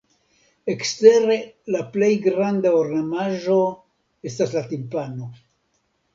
Ekstere la plej granda ornamaĵo estas la timpano.